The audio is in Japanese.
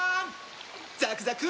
ザクザク！